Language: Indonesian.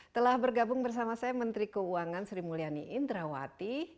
telah bergabung bersama saya menteri keuangan sri mulyani indrawati